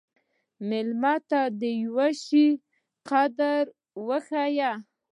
مېلمه ته د یوه شي قدر وښیه.